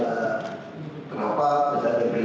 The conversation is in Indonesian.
jadi ya memberikan pandangan pandangan politiknya